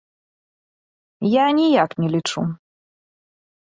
Я ніяк не лічу.